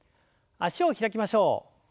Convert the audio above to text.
脚を開きましょう。